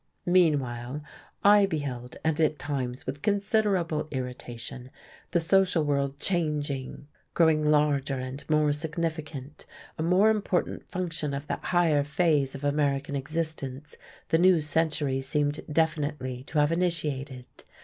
Meanwhile I beheld, and at times with considerable irritation, the social world changing, growing larger and more significant, a more important function of that higher phase of American existence the new century seemed definitely to have initiated.